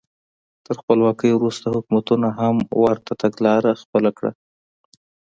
تر خپلواکۍ وروسته حکومتونو هم ورته تګلاره خپله کړه.